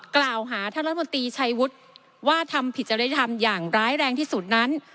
กล่าวหาท่านรัฐมนตรีชัยวุฒิว่าทำผิดจริยธรรมอย่างร้ายแรงที่สุดนั้น